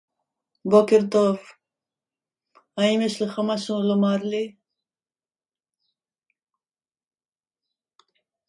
The Galien River flows from northeast to southwest through the township.